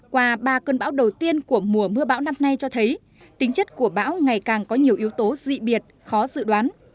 qua ba cơn bão đầu tiên của mùa mưa bão năm nay cho thấy tính chất của bão ngày càng có nhiều yếu tố dị biệt khó dự đoán